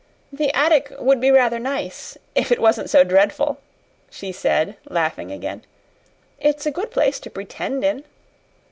"The attic would be rather nice if it wasn't so dreadful," she said, laughing again. "It's a good place to pretend in."